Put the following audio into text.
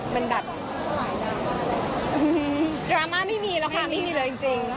เป็นแบบดราม่าไม่มีแล้วค่ะไม่มีเลยจริง